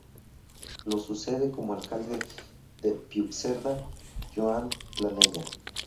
Lo sucede como alcalde de Puigcerdá, Joan Planella.